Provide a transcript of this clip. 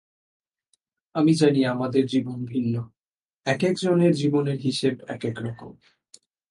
আমি জানি আমাদের জীবন ভিন্ন, একেকজনের জীবনের হিসেব একেকরকম।